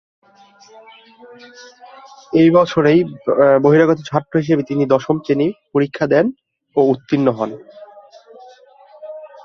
ঐ বছরেই বহিরাগত ছাত্র হিসেবে তিনি দশম শ্রেনী পরীক্ষা দেন ও উত্তীর্ণ হন।